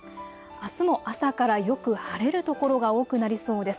あすも朝からよく晴れる所が多くなりそうです。